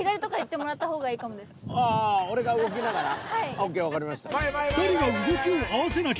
ＯＫ分かりました。